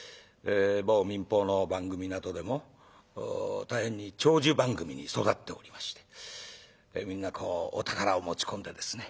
某民放の番組などでも大変に長寿番組に育っておりましてみんなお宝を持ち込んでですね